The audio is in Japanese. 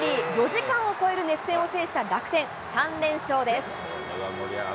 ４時間を超える熱戦を制した楽天、３連勝です。